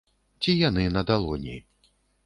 Ці яны на далоні.